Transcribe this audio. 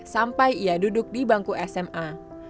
sampai ia duduk di bangku sma